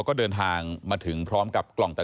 ก็เดินทางมาถึงพร้อมกับกล่องแต่ละ